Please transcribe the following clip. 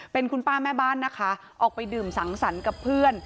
เป็นคุณป้าแม่บ้านนะคะออกไปดื่มสังสรรค์กับเพื่อน